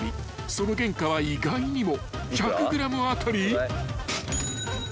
［その原価は意外にも］